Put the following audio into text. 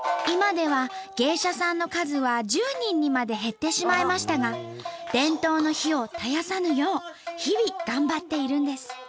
今では芸者さんの数は１０人にまで減ってしまいましたが伝統の灯を絶やさぬよう日々頑張っているんです。